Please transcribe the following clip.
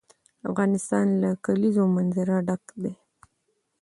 افغانستان له د کلیزو منظره ډک دی.